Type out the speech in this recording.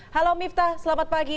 halo miftah selamat pagi